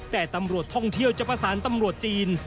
แต่ตำรวจท่องเที่ยวจะประสานตำรวจจีน